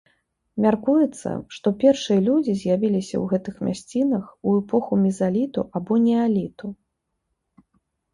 Мяркуецца, што першыя людзі з'явіліся ў гэтых мясцінах у эпоху мезаліту або неаліту.